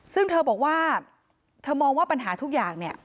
ซึ่งเธอบอกว่าเธอมองว่าปัญหาทุกอย่างเนี่ย